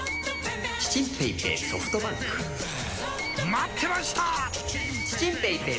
待ってました！